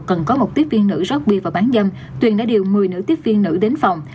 cần có một tiếp viên nữ rót bia và bán dâm tuyền đã điều một mươi nữ tiếp viên nữ đến phòng